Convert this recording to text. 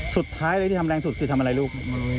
สุดท้ายอะไรที่ทำแรงสุดคือทำอะไรลูก